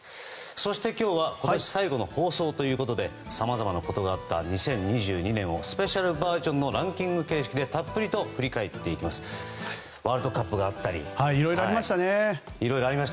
そして今日は今年最後の放送ということでさまざまなことがあった２０２２年をスペシャルバージョンのランキング形式でたっぷり振り返っていきます。